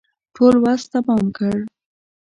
ټول وس تمام کړ.